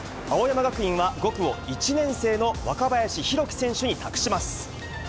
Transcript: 青山学院は５区を１年生の若林宏樹選手に託します。